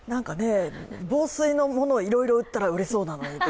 防水のものをいろいろ売ったら売れそうだなと。